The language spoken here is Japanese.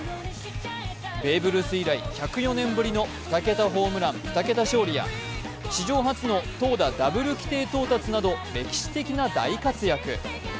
ベーブ・ルース以来１０４年ぶりの２桁ホームラン、２桁勝利や史上初の投打ダブル規定到達など、歴史的な大活躍。